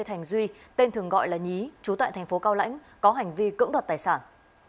thành duy tên thường gọi là nhí chú tại thành phố cao lãnh có hành vi cưỡng đoạt tài sản